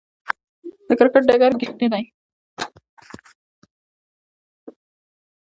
د کرکټ ډګر ګيردى يي.